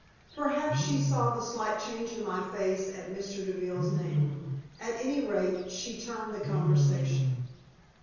Perhaps she saw the slight change in my face at Mr. Deville's name. At any rate, she turned the conversation.